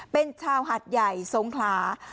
เป็นชาวหัดใหญ่สงขลา